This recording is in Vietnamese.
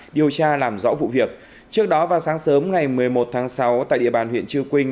điều tra làm rõ vụ việc trước đó vào sáng sớm ngày một mươi một tháng sáu tại địa bàn huyện chư quynh